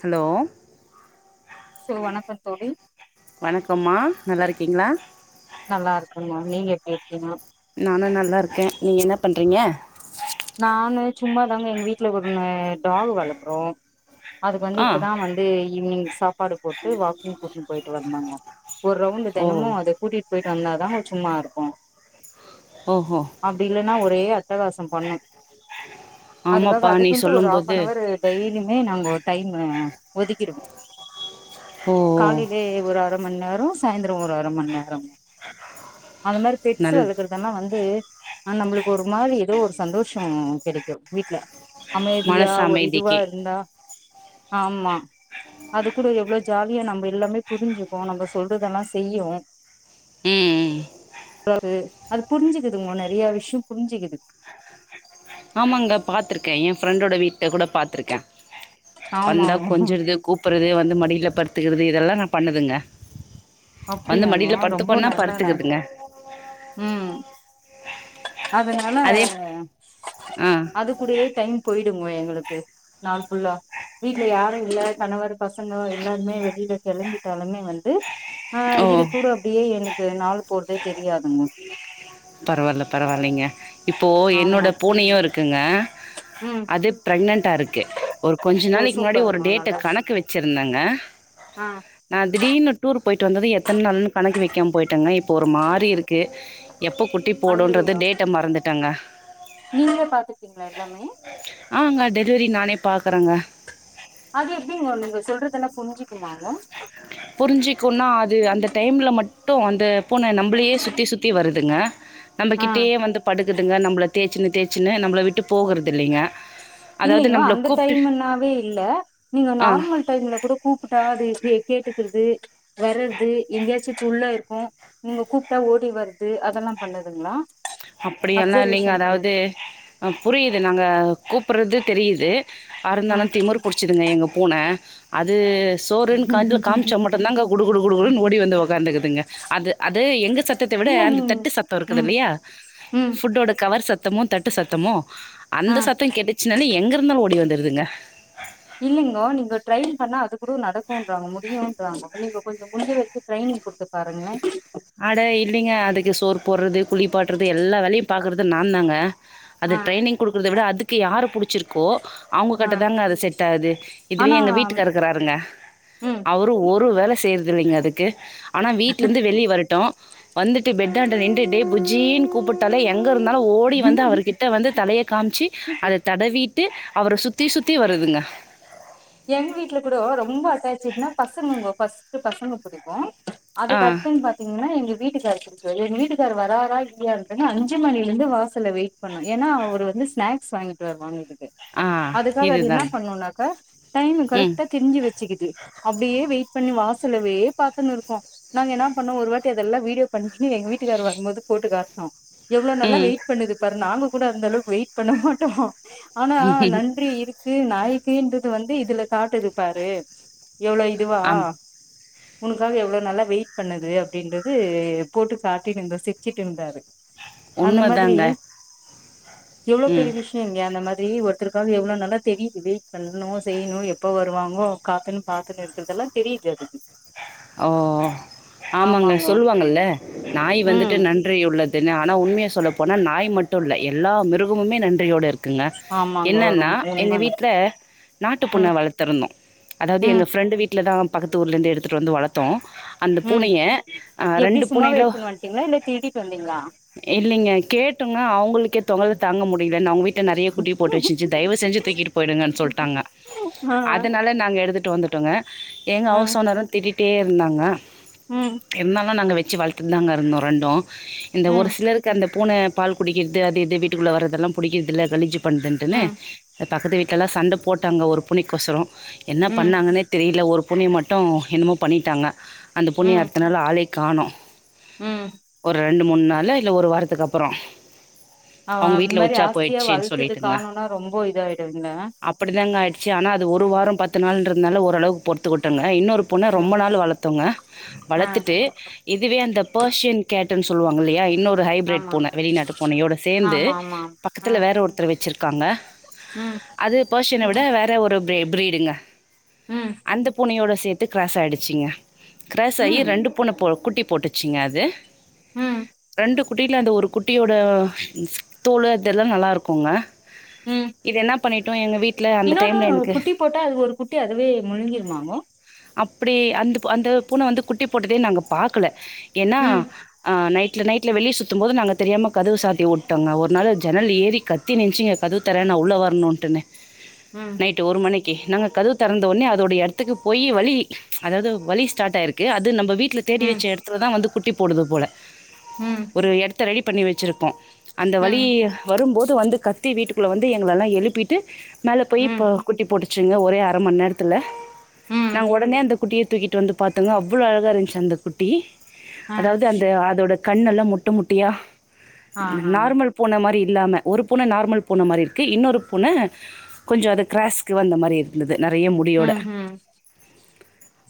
Hello so வணக்கோ தோழி வணக்கம்மா நல்லா இருக்கீங்ளா நல்லா இருக்கே மேம் நீங்க எப்டி இருக்கீங்க நானு நல்லா இருக்கே நீங்க என்ன பண்றீங்க நானு சும்மாதாங்க எங்க வீட்டுல ஒன்னு டாஃகு வளத்தோ அதுக்கு வந்து ஆ இப்பதா வந்து ஈவினிங் சாப் பாடு போட்டு வாக்கிங் கூட்னு போயிட்டு வந்தாங்க ஒரு ரவுண்டு ஓ தெனமு அத கூட்டிட்டு பொயிட் வந்தாதா அது சும்மாருக்கு ஓஹோ அப்டி இல்லன்னா ஒரே அட்டகாசம் பண்ணும் அதுக்காக ஆமாப்பா நீ அதுக்குண்ட்டு ஒரு சொல்லும்போது ஹாஃபன்னவரு டெய்லியுமே நாங்கோ டைமு ஒதுக்கிடுவோ ஓ காலையிலே ஒரு ஒருமன் நேரோ சாயந்தரோ ஒரு அரமன் நேரோ அந்த மாரி பெட்ஸு நல் வளக்கறதெல்லா வந்து நம்மளுக்கு ஒரு மாரி ஏதோ ஒரு சந்தோஷ் ஷம் கெடைக்கு வீட்ல அமைதியா மனசு ஒரு இதுவா அமைதிக்கு இருந்தா ஆமா அது கூட எவ்ளோ ஜாலியா நம்ம எல்லாமே புருஞ்சுக்கு நம்ம சொல்றதெல்லா செய்யும் ம் ம் அதாவது அது புரிஞ்சுக்குதுங்கோ நெறையா விஷயோ புரிஞ்சுக்குது ஆமாங்க பாத்துருக்கே ஏ ஃப்ரெண்டோட வீட்ல கூட பாத்துருக்கே ஆமா வந்தா கொஞ்சர்து கூப் புட்றது வந்து மடியில படுத்துக்குறது இதெல்லாதா பண்ணுதுங்க வந்து அப்டியாங்கோ மடியில ரொம்ப படுத்துக்கோனா நல்ல படுத்துக்குதுங்க அதுனால அதே ஆ அது கூடயே டைம் போயி் ட்ருங்க எங்களுக்கு நாள் ஃபுல்லா வீட்ல யாரு இல்ல கணவர் பசங்கோ எல்லாருமே வெளில கெளம்பிட்டாலுமே வந்து ஆ இது ஓ கூட அப்டியே எனக்கு நாள் போறதே தெரியாதுங்க பரவால்ல பரவால்லைங்க இப்போ ஆமா என்னோட பூனையு இருக் குங்க ம் அது ப்ரெக்னன்ட் டா இருக்கு ஒரு கொஞ்ச ஓ நாளைக்கி முன்னாடி ஒரு சூப்பருங்கோ டேட்டு நல்ல விஷ் கணக்கு வச்சுருந்தங்க ஆ நா திடீர்னு டூர் பொயிட்டு வந்தது எத்தன நாள்ன்னு கணக்கு வெக்காம பொயிட்டேங்க இப்போ ஒரு மாறி இருக்கு எப்போ குட்டி போடுன்றது ஐயையோ டேட்ட மறந்துட்டங்க நீங்களே பாத்துட்டீங்ளா எல்லாமே ஆமாங்க டெலிவரி நானே பாக்குறேங்க அது எப்டிங்கோ நீங்க சொல்றதெல்லா புரிஞ்சுக்குமாங்கோ புரிஞ்சுக்கும்னா அது அந்த டைம்ல மட்டு அந்த பூன நம்பளையே சுத்தி சுத்தி வருதுங்க நம்ப கிட்டயே வந்து படுக்குதுங்க நம்மள தேச்சுன்னு தேச்சுன்னு நம்மள விட்டு போகறதுல்லைங்க இல்லைங்கோ அந்த டைம்னாவே இல்ல நீங்க ஆ. நார்மல் டைம்ல கூட கூப்பிட்டா அது கேட்டுக்கிறது வர்றது எங்கேயாச்சு குல்ல இருக்கு நீங்க கூப்ட்டா ஓடி வறது அதெல்லா பண்ணதுங்களா அப்டியெல்லா இல்லைங்க அதாவது புரியுது நாங்க கூப்புட்றது தெரியுது ஆ பருந்தாலு திமர் புடிச்சிதுங்க எங்க பூன அது சோறு ன் கண்ல காமிச்சா மட்டு தாங்க குடுடு குடு ஓடி வந்து உக்காந்ட்துங்க அது அது எங்க சத்தத்த விட இல்ல அந்த நீங்க தட்டு சத்த இருக்குது ம் இல்லையா ம் ஃபுட்டோட கவர் சத்தமு தட்டு சத்தமோ ஆ அந்த சத்த கேட்டுச்சுனால எங்க இருந்த ஓடி வந்துடுதுங்க இல்லைங்கோ நீங்க ட்ரெயின் பண்ணா அது கூட நடக்குன்றாங்கோ முடியுன்றாங்கோ நீங்க கொஞ்ச முடி்ஞ்ச வரைக்கு ட்ரெயின் னிங் கொடுத்து பாருங்ளே ஆட இல்லைங்க அதுக்கு சோர் போட்றது குளிப்பாட்றது எல்லா வேலையு பாக்குறது நா தாங்க அது ஆ ட்ரைனிங் குடுக்குறத விட அதுக்கு யார புடிச்சிருக்கோ அவங்க ஆ கட்ட தாங்க அது செட் ஆது இதுவே ஆனா எங்க வீட்டு காரு இருக்கறாருங்க ம் அவரு ஒரு வேல செய்றதுல்லைங்க அதுக்கு ஆனா வீட்லந்து வெளியே வரட் வந்துட்டு பெட்டான்ட நின்ட்டு டே புஜ்ஜி ன் கூப்பிட்டாலே எங் எங்க இருந்தாலு ஓடி வந்து அவர்கிட்ட வந்து தலைய காம்ச்சி அத தடவி ட்டு அவர சுத்தி சுத்தி வருதுங்க எங்க வீட்ல கூட ரொம்ப அட்டாச்சட்னா பசங்கங்க ஃபர்ஸ்ட்டு பசங்க புடிக்கு ஆ அதுக் அத்துன்னு பாத்தீங்கன்னா எங்க வீட்டுக்காரு எங்க வீட்டுக்கார் வராறா இல்லையா ங்க அஞ்சுமணிலிருந்து வாசல்ல வெயிட் பண்ணோ ஏனா அவர் வந்து ஸ்நாக் ஸ் வாங்கிட்டு வருவாங்க இதுக்கு ஆ அதுக்காக அது என்ன இதுதாங்க. பண்ணுனாக்கா டைம்ம ம் கரெக்டா தெரிஞ்சு வச்சிக்கிது அப்டியே வெயிட் பண்ணி வாசலவே பாத்துன்னு இருக்கு நாங்க என்ன பண்ணோ ஒரு வாட்டி அதெல்லா வீடியோ பண்ணி எங்க வீட்டுக்காரு வருபோது போ போட்டு காட்னோ எவ்ளோ நல்லா ம் வெயிட் பண்ணுது பாரு நாங்க கூட அந்த அளவுக்கு வெயிட் பண்ண மாட்டோ ஆனா நன்றி இருக்கு நாய்க்கு ன்றது வந்து இதுல காட்டுது பாரு எவ்ளோ இதுவா ஆமா உனக்காக எவ்ளோ நல்லா வெயிட் பண்ணுது அப்படின்றது போட்டு காட்டிந்தோ சிச்சுட்டு இந்தாரு அந்த மாதிரி உண்மதாங்க. எவ்ளோ ம். பெரிய விஷயங்க அந்த மாதி ஒருத்தருக்காக எவ்ள நல்ல தெரியது வெயிட் பண்ணு ணு செய்ணு எப்ப வருவாங்கோ காத்துன் பாத்துன்னு இருக்கறதெல்லா தெரியுது அதுக்கு ஓ ஆமாங்க ஆமாங்கோ சொல்லுவாங்கல்ல நாய் வந்துட்டு ம் நன்றி உள்ளது து ன்னு ஆனா உண்மைய சொல்ல போனா நாய் மட்டு இல்ல எல்லா மிருகமுமே நன்றியோடு இருக் குங்க ஆமாங்கோ என்னன்னா ரொம் எங்க உண்மங்க வீட்ல ம் நாட்டுப்பூன வளத்துருந்தோ அதாவது எங்க ம் ஃப்ரெண்டு வீட்ல தா பக்கத்து ஊர்லேந்து எடுத்துட்டு வந்து வளத்தோ அந்த ம் பூனைய ஆ எப்டி ரெண்டு சும்மாவே பூனையிலோ எடுத்துன்னு வந்ட்டீங்களா இல்ல திருடிட்டு வந்தீங்களா இல்லைங்க கேட்டுங்க அவங்களுக்கே தொங்கலை தாங்க முடியல ந அவங்க வீட் டு நறைய குட்டி போட்டு வச்சிச்சு தயவு செஞ்சு தூக்கிட்டு போயிடுங்க சொல்ட்டாங்க ஆ அதனால நாங்க எடுத்துட் டு வந்துட்டோங்க எங்க ஆ ஹவுஸ் ஓனரு திட்டிட்டே இருந்தாங்க ம் இருந்தாலு நாங்க வச் சு‌ வளத்துதா தாங்க இருந்தோ ரெண்டோ இந்த ஒரு ம் சிலருக்கு அந்த பூனை பால் குடிக்கிறது அது இது வீட்டுக்குள்ள வரதெல்லா புடிக்கிறதில்ல கழிஞ்சு பண்றதுன்ட்டுன்னு ம் பக்கத்து வீட்லலா சண்ட போட்டாங்க ஒரு பூனிக்கொசர என்ன ம் பண்ணாங்கன்னே தெரியல ஒரு பூனி மட்டு என்னமோ பண்ணிட்டாங்க அந்த பூணிய ம் அடுத்த நாள் ஆளையே காணு ம் ரெண்டு மூணு நாள இல்ல ஒரு வாரத்துக்கு அப்புறோ அவ அவங்க அந்த வீட்ல மாரி உச்சா ஆசையா போயிட்ச்சு வளத்தது சொல்லிட்டுங்க காணோனா ரொம்ப இதாயிடுங்க அப்டித்தாங்க ஆயிடுச்சு ஆனா அது ஒரு ஒரு‌ வார பத்து நாள் ன்றந்தால ஓரளவுக்கு பொறுத்து கொட்டுங்க இன்னொரு பூன ரொம்ப ம் நாள் வளத்தோங்க ஆ வளத்துட்டு இதுவே அந்த ஃபர்ஷியன் கேட் டுன்னு சொல்லுவாங்க இல்லையா இ இன்னொரு ஹைப்ரேட் ஆமா பூன வெளிநாட்டு பூனையோட சேர்ந்து ஆமா ஆமா ஆ பக்கத்துல வேற ஒருத்தர் வச்சிருக்காங்க ம் பெர்ஷன விட வேற ஒரு பிரெ பிரீடுங்க ம் அந்த பூனையோட சேத் து கிரராஸ் ஆகிடுச்சிங்க கிராஸ் ஆகி ம் ரெண்டு பூன போ குட்டி போட்டுச்சிங்க அது ம் ரெண்டு குட்டியில அந்த ஒரு குட்டியோட தோல் அதெல்லாம் நல்லா இருக்கும்ங்க ம் இது என்ன பண்ணிட்டோம் எங்க வீ இன்னொன்னு குட்டி போட்டா அது ஒரு குட்டி அதவே முழுங்கிருமாங்கு அப்டி அந்த அந்த பூன வந்து குட்டி போட்டதே நாங்க பார்க்கல ஏன்னா ம் அ நைட் நைட்ல நைட்ல வெளிய சுத்தும் போது நாங்க தெரியாம கதவு சாத்தி ட்டோங்க ஒரு நாள் ஜன்னல் ஏறி கத்தினுச்சுங்க கதவு தரனு உள்ள வரணும்ட்டுனே ம் ஓகே நாங்க கதுவு திறந்தவுடனே அதோட இடத்துக்கு போய் வலி அதாவது வலி ஸ்டார்ட் ஆயிருக்கு அது நம்ம வீட்கே வீட்ல தேடி ம் வச்ச இடத்துல தான் வந்து குட்டி போடுது போல ம் ஒரு எடத்த ரெடி பண்ணி வச்சிருப்போ அந்த வலி ம் வரும்போது வந்து கத்தி வீட்டுக்குள்ள வந்து எங்களால எல்லா எழுப்பிட்டு மேலே போய் ம் போ குட்டி போட்டுச்சுங்க ஒரே அர மணி நேரத்தில் ம் நாங்க ஒடனே அந்த குட்டிய தூக்கிட்டு வந்து பாத்தோங்க அவ்வளோ அழகா இருந்துச்சு அந்த குட்டி ஆ அதாவது அந்த அதோட கண் எல்லாம் முட்டை முட்டியா ஆஹா நார்மல் பூன மாரி இல்லாம ஒரு பூன நார்மல் பூன மாதிரி இருக்குது இன்னொரு பூன கொஞ்சம் அது க்ராாஸ்க்கு வந்த மாதிரி இருந்தது நெறைய முடியோட ம் ம்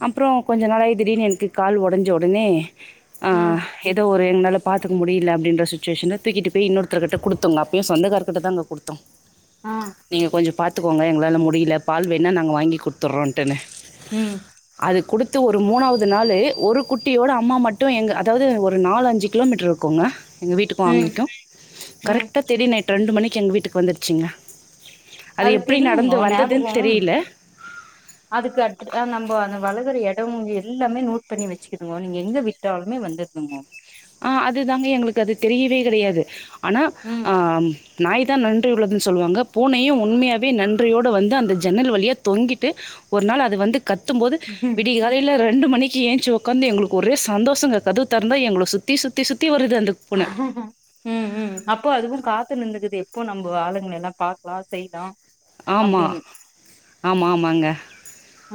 அப்புறொ கொஞ்ச நாளாகி திடீர்னு எனக்கு கால் ஒடஞ் ச உடனே ம் ஏதோ ஒரு எங்களால பாத்துக்க முடியல அப்டின்ற சுச்சுவேஷன் தூக்கிட்டு போய் இன்னொரு ஒருத்தர்க்கிட்ட கொடுத்தோங்க அப்பயும் சொந்தக்காரர்கிட்ட தான் அங்கே கொடுத்தோம் ஆ நீங்க கொஞ்சொ பாத்துக்கோங்க எங்களால் முடியல பால் வேணால் நாங்க வாங்கி கொடுத்துட்றோன்டன்னு ம் த்த ஒரு மூணாவது நாள் ஒரு குட்டியோட அம்மா மட்டும் எங்க அதாவது ஒ ரு நாலு அஞ்சு கிலோமீட்டர் இருக்கும்ங்க எங்க வீட்டுக்கு ம் அவ்ங்கு ம் கரெக்டா தேடி நைட் ரெண்டு மணிக்கு எங்க வீட்டுக்கு வந்துருச்சிங்க அது எப்டி நடந்து தெரியுங்கோ வந்ததுன்னு ஞாபகோ தெரியல ஆ நம்ப அந்த வளக்குற எடம் எல்லாமே நோட் பண்ணி வச்சுக்கதுங்கோ நீங்க எங்க விட்டாலுமே வந்துடுதுங்கோ ஆ அதுதாங்க எங்களுக்கு அது தெரியவே கிடையாது ஆனா ம் அ நாய் தான் நன்றி உள்ளதுன்னு சொல்லுவாங்க பூனையும் உண்மையாகவே நன்றியோடு வந்து அந்த ஜன்னல் வழியாக தொங்கிட்டு ஒரு நாள் அது வந்து கத்தும் போது விடிய காலையில ரெண்டு மணிக்கு எஞ்ச்சி உக்காந்து எங்களுக்கு ஒரே சந்தோஷங்க கதவு தந்தா எங்கள சுத்தி சுத்தி சுத்தி வருது அந்த பூனை. ம் உனம் அப்போ அதுவும் காத்து நின்னுக்குது எப்போ நம்போ ஆளுங்கள எல்லாம் பாக்கலா செய்லா ஆமா. அப்டின்னு ஆமா, ஆமாங்க.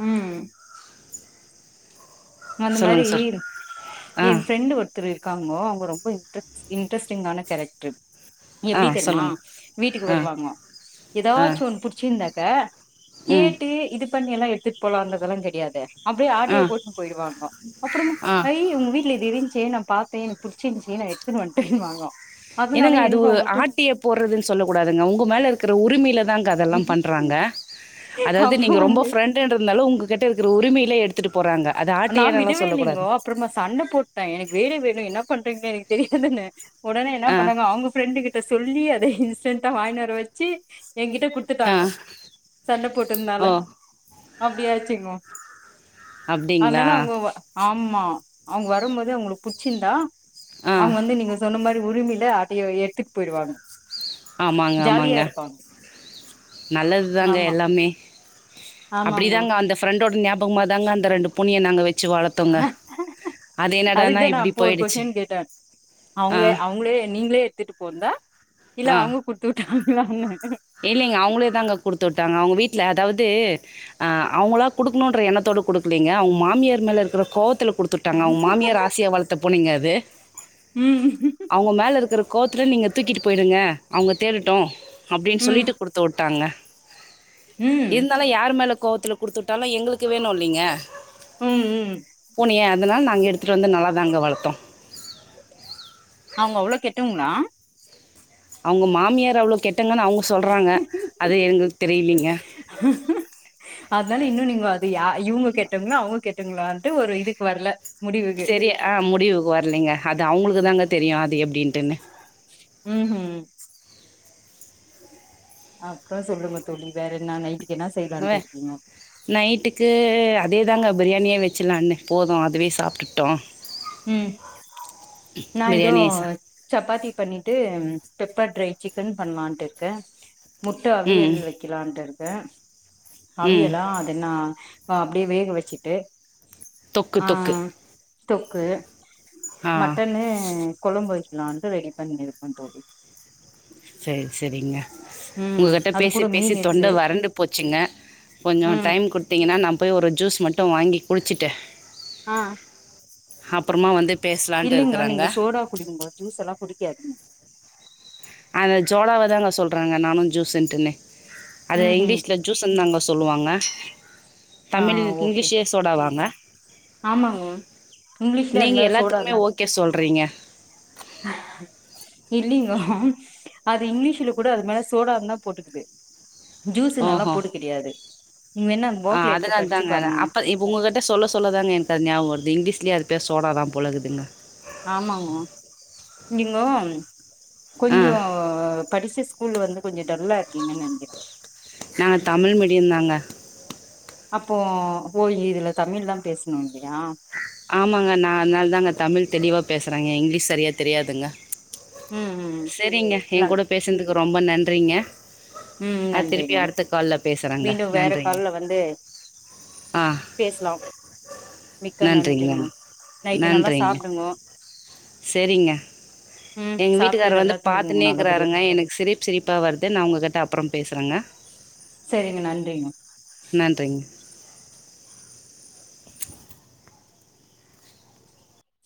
ம் அந்த மாரி சொல்லுங்க சார். ஆ, என் ஃப்ரெண்டு் ஒருத்தர் இருக்காங்கோ அவங்க ரொம்ப இன்ட்ர இன்ட்ரஸ்டிங்கான கேரக்ட்ரு ஆ எப்டி தெர்மா சொல்லுங்க. வீட்டுக்கு ஆ, வருவாங்கோ ஆ, ஏதாச்சும் ஒன்னு புடிச்சிருந்தாக்கா ம், கேட்டு இது பண்ணி எல்லா எடு த்துட் போலாம்ன்றதெல்லா கிடையாது அப்படியே ஆ, ஆட்டய போட்டுனு போயிடுவாங்கோ அப்புறமா ஆ. ஐ ஒங்க வீட்ல இது இருன்ச்சு நா பாத்தேன் புடிச்சிருன்சு எடுத்துனுவன்டேன் வாங்க என்னங்க அது ஆட்டய போடுறதுன்னு சொல்ல கூடாதுங்க உங்க மேல இருக்கிற உரிமைல தாங்க அதெல்லாம் பண்றாங்க அதாவது அப்போ நீங்க ரொம்பொ வந்து ஃப்ரெண்ட்டுன்றுனால ஒங்க கிட்ட நா ஆட்டியனெல்லாம் விடவே சொல்லக்கூடாது. இல்லிங்கோ அப்றமா சண்டை போட்டே எனக்கு வேணு வேணு என்ன பண் றீங்ளே எனக்கு தெரியாதுன்னே ஒடனே என்ன ஆ, பண்ணாங்க அவங்க ஃப்ரெண்டு கிட்ட சொல்லி அத டீசன்டா வாங்கினுவர வச்சு என்கிட்ட ஆ, குடுத்துட்டாங்கோ சண்ட ஓ! போட்டதுனால அப்படியாச்சுங்கோ அப்டிங்களா? அதனால அவங்க வ ஆமா அவ்ங்க வரும் போதே அவ்ங்களுக்கு புடிச்சிருந்தா ஆ, அவ்ங்க வந்து நீங்க சொன்ன மாரி உரிமையில அதையு எடுத்துட்டு பெய்ருவாங்க ஆமாங்க ஆமாங்க நல்லது தாங்க ஆமா எல்லாமே அப்பிடி ஆமாங்கோ தாங்க அந்த ஃப்ரெண்டோட ஞாபகமா தாங்க அந்த ரெண்டு பூனிய நாங்க வெச்சு வளத்தொங்க அது என்னடானா இப்பிடி போயிடுச்சி அவுங்ளே அவுங்ளே நீங்ளே எத்திட்டு போண்தா இல்ல அவுங்க குட்த்துட்டாங்லான்னே இல்லீங்க அவுங்ளே தாங்க குடுத்துட்டாங்க அவுங்க வீட்ல அதாவ து அ அவுங்ளா குடுக்ணுன்ற எண்ணத்தோட குடுக்குலீங்க அவுங் மாமியார் மேல இருக்ற கோவத்துல குடுத்துட்டாங்க அவுங் மாமியார் ஆசையா வளத்த பூனைங்க அது ம் அவுங்க மேல இருக்கற கோவத்துல நீங்க தூக்கிட்டு போயிருங்க அவுங்க தேடட்டு அப்டின் ம் சொல்லிட்டு ம் குடுத்துவுட்டாங்க ம் இந்தாலு யார் மேல கோவத்துல குடுத்துவுட்டாலு எங்குளுக்கு வேணு இல்லீங்க ம் ம் னைய அதனால நாங்க எடுத்துட்டு வந்து நல்லா தாங்க வளத்தோ அவுங்க அவ்ளோ கெட்டவங்ளா அவுங்க மாமியார் அவ்ளோ கெட் டங்கனு அவுங்க சொல்றாங்க அது எங்குளுக் தெரிலீங்க அதுனால இன்னு நீங்கோ அது யா இவுங்க கெட்டவங்ளா அவுங்க கெட்டவங்ளான்ட்டு ஒரு இதுக்கு வர்ல செரி அ முடிவுக்கு வர்லீங்க அது அவுங்குளுக்கு தாங்க தெரியு அது எப்டின்ட்டுன்னு ம் ஹூ அப்றோ சொல்லுங்க தோழி வேறென்னா நைட்டு வெ நைட்டுக்கு அதேதாங்க பிரியாணியே வெச்சிலான்னு போது அதுவே சாப்ட்டுட்டோ ம் நா இதோ பிரியாணியே சா சப்பாத்தி பண்ணிட்டு ம் பெப்பர் டரை சிக்கன் பண்லான்டிர்க்கே முட்ட அவியல் ம் வெக்கலான்டிருக்கே ம் அவியலா அது என்னா அ அப்டியே வேக வெச்சிட்டு தொக்கு தொக்கு தொக்கு ஆ மட்டனு கொழம்பு வெ க்லாண்ட்டு ரெடி பண்ணி இருக்கந் தோழி சேர் செரிங்க ம் உங்ககிட்ட அது பேசி கூட பேசி மீன் தொண்ட இருக்கு வறண்டு போச்சுங்க கொஞ்சோ ம் டைம் குட்த்தீங்கனா நா போய் ஒரு ஜூஸ் மட்டு வாங்கி குடிச்சிட்டு அ அப்பறமா வந்து பேசலான்ட்டு இல்லிங்கோ இருக்கிறாங்க நீங்கோ சோடா குடிங்கோ ஜூஸெல்லா குடிக்காதீங்கோ அந்த ஜோலாவ தாங்க சொல்றாங்க நானு ஜூஸ்ன்டுன்னு அது ம் ம் இங்லீஷ்ல ஜூஸ்ன் தாங்க ஸ் சொல்லுவாங்க ஆ தமிழ் ஓகே இங்லீஷியே சோடா வாங்க ஆமாங்கோ இங்கிலீஷ்ல அது நீங்க எல்லாத்துக்குமே ஓகே சொல்றீங்க ம்ஹு இல்லீங்கோ அது இங்கிலீஷ்ல கூட அது மேல சோடான் தா போட்டுக்குது ஜூஸுனல்லா போடு கெடையாது அ அதனால் தாங்க அப்ப இப்ப உங்ககிட்ட சொல்ல சொல்ல தாங்க எனக்கு அது நியாவ வருது இங்கிலீஷ்லியு அது ட்டு சோடா தா போல இகுதுங்க ஆமாங்க நீங்கோ ஆ கொஞ்சோ படிச்ச ஸ்கூல்ல வந்து கொஞ்ச டல்லா இருப்பிங்கன் நெனைக்கிறே நாங்க தமிழ் மீடியந் தாங்க அப்போ ஓ இதுல தமிழ் தா பேசணு இல்லியா ஆமாங்க நா அதனால் தாங்க தமிழ் தெளிவா பேசறங்க இங்லீஷ் சரியா தெரியாதுங்க ம் ம் ஷெரிங்க எங் நன் கூட பேசுன்துக்கு ரொம்ப நன்றிங்க ம் அ திருப்பியு நன்றிங்க அடுத்த கால்ல பேசுறங்க மீண்டும் வேற நன்றிங்க கால்ல வந்து ஆ பேசலாம் மிக் க நன்றிங்க நன்றி நன்றிங்கோ நைட்டு நல்லா சாப்டுங்கோ செரிங்க ம் எங்க வீட்டுக்கார சாப்ட்டு வந்து நல்லா தூங்குங்க பாத்துன்னே நல்லபடியா இருக்கிறாருங்க எனக்கு சிரிப் சிரிப்பா வருது நா உங்க கிட்ட அப்பறம் பேசுறங்க சரிங்க நன்றிங்க நன்றிங்க